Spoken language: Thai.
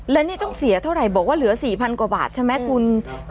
และนี่ต้องเสียเท่าไหร่บอกว่าเหลือ๔๐๐กว่าบาทใช่ไหมคุณ